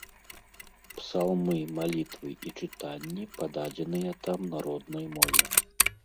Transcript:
Псалмы, малітвы і чытанні пададзеныя там на роднай мове.